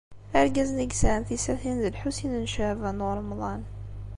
Argaz-nni i yesɛan tisatin d Lḥusin n Caɛban u Ṛemḍan.